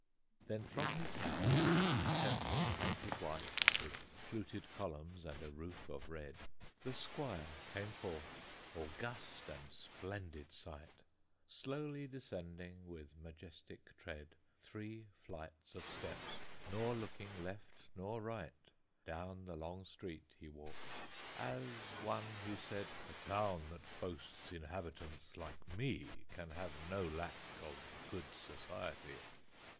Then from his house, a temple painted white, With fluted columns, and a roof of red, The Squire came forth, august and splendid sight! Slowly descending, with majestic tread, Three flights of steps, nor looking left nor right, Down the long street he walked, as one who said, "A town that boasts inhabitants like me Can have no lack of good society!"